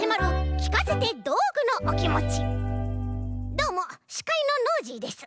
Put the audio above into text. どうもしかいのノージーです。